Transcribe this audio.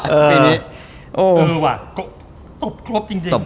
เออตบครบจริง